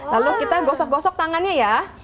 lalu kita gosok gosok tangannya ya